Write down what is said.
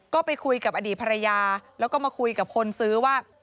ก็ไปคุยกับอดีตภรรยาแล้วก็มาคุยกับคนซื้อว่า